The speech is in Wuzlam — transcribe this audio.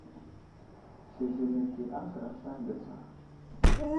Zezemeke aslər aslane ge tsa.